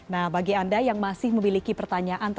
nah bagi anda yang masih memiliki pertanyaan